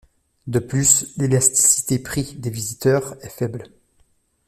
De plus, l'élasticité-prix des visiteurs est faible.